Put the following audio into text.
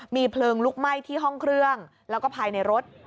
มีเพลิงลุกไหม้ที่ห้องเครื่องแล้วก็ภายในรถ